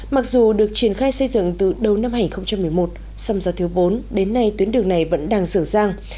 mặc dù được triển khai xây dựng từ đầu năm hai nghìn một mươi một song do thiếu vốn đến nay tuyến đường này vẫn đang sửa giang